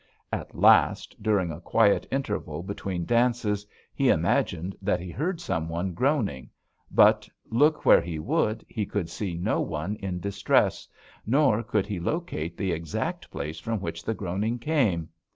"At last, during a quiet interval between dances, he imagined that he heard some one groaning, but, look where he would, he could see no one in distress, nor could he locate the exact place from which the groaning came.